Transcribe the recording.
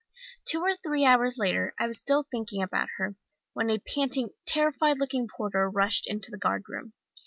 "Two or three hours later I was still thinking about her, when a panting, terrified looking porter rushed into the guard room.